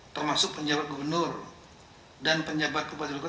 termasuk penjabat gubernur dan penjabat bupati rakyat